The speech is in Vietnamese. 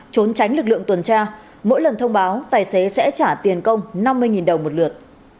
trốn tránh lực lượng tuần tra mỗi lần thông báo tài xế sẽ trả tiền công năm mươi đồng một lượt